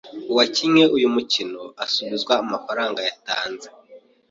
uwakinnye uyu mukino asubizwa amafaranga yatanze.